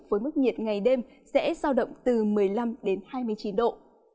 với mức nhiệt ngày đêm sẽ giao động từ một mươi năm đến hai mươi chín độ